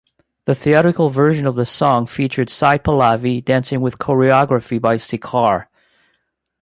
The theatrical version of the song featured Sai Pallavi dancing with choreography by Sekhar.